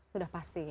sudah pasti ya